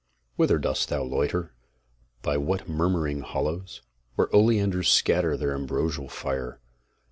Whither dost thou loiter, by what murmuring hollows, Where oleanders scatter their ambrosial fire?